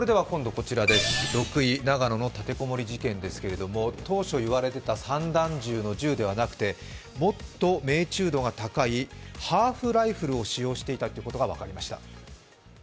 ６位、長野の立て籠もり事件ですけど当初言われていた散弾銃の銃ではなくて、もっと命中度の高いハーフライフルを使用していたことが分かりました。